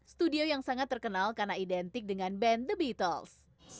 studio yang sangat terkenal karena identik dengan band the beattle